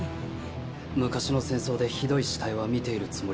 昔の戦争でひどい死体は見ているつもりだ。